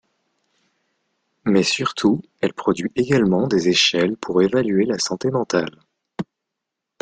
Mais surtout, elle produit également des échelles pour évaluer la santé mentale.